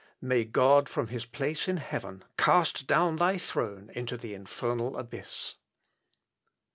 May God, from his place in heaven, cast down thy throne into the infernal abyss!"